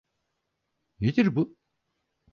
Nedir bu?